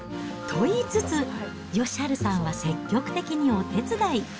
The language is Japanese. と言いつつ、義治さんは積極的にお手伝い。